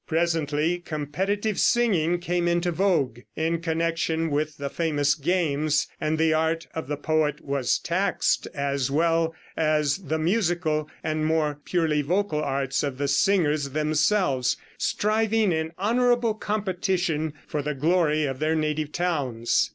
Presently competitive singing came into vogue, in connection with the famous games, and the art of the poet was taxed, as well as the musical and more purely vocal arts of the singers themselves, striving in honorable competition for the glory of their native towns.